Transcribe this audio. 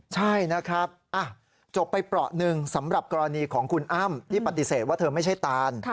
ใช่นะครับจบไปเปราะหนึ่งสำหรับกรณีของคุณอ้ำที่ปฏิเสธว่าเธอไม่ใช่ตาน